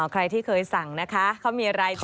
ใครที่เคยสั่งนะคะเขามีรายชื่อ